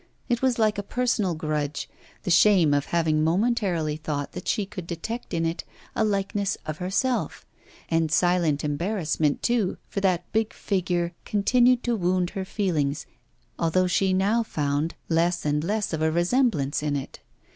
It was like a personal grudge, the shame of having momentarily thought that she could detect in it a likeness of herself, and silent embarrassment, too, for that big figure continued to wound her feelings, although she now found less and less of a resemblance in it.